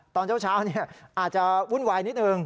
ตอนเช้าอาจจะวุ่นวายนิดนึง